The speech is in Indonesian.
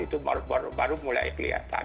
itu baru mulai kelihatan